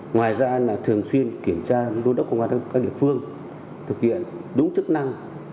ngoài ra thường xuyên kiểm tra đối đốc công an các địa phương thực hiện đúng chức năng